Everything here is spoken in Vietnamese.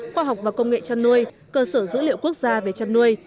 khoa học và công nghệ chăn nuôi cơ sở dữ liệu quốc gia về chăn nuôi